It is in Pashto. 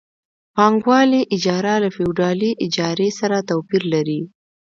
پانګوالي اجاره له فیوډالي اجارې سره توپیر لري